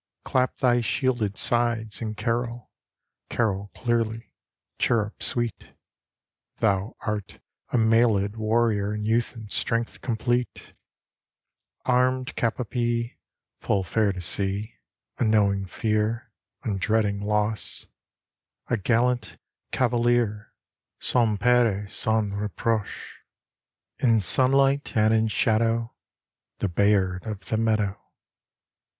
Clap thy shielded sides and carol, Carol clearly, chirrup sweet Thou art a mailèd warrior in youth and strength complete; Armed cap a pie, Full fair to see; Unknowing fear, Undreading loss, A gallant cavalier Sans peur et sans reproche, In sunlight and in shadow, The Bayard of the meadow.